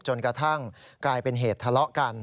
จนกระทั่งกลายเป็นเหตุทะเลาะกัน